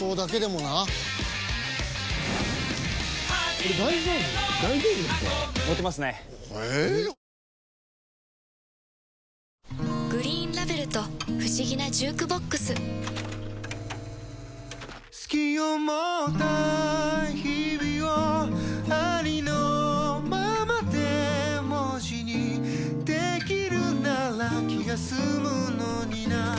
あの商品がまさかの大波乱を巻き起こす「グリーンラベル」と不思議なジュークボックス“好き”を持った日々をありのままで文字にできるなら気が済むのにな